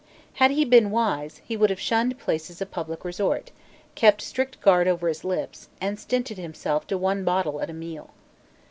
Had he been wise, he would have shunned places of public resort, kept strict guard over his lips, and stinted himself to one bottle at a meal.